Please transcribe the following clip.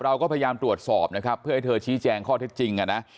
เราก็พยายามตรวจสอบนะครับเพื่อให้เธอชี้แจงข้อเท็จจริงอ่ะนะ